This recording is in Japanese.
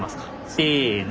せの。